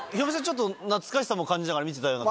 ちょっと懐かしさも感じながら見てたような。